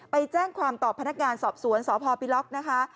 ไปแจ้งความต่อพนักงานสอบสวนสพปิล็อกนะคะ